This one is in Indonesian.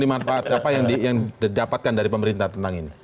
apa yang didapatkan dari pemerintah tentang ini